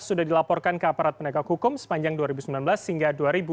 sudah dilaporkan ke aparat penegak hukum sepanjang dua ribu sembilan belas hingga dua ribu dua puluh